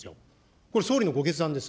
これ総理のご決断です。